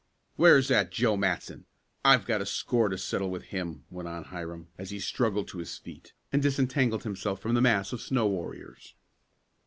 "Where's that Joe Matson? I've got a score to settle with him," went on Hiram, as he struggled to his feet, and disentangled himself from the mass of snow warriors.